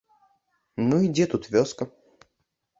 Ну і дзе тут вёска?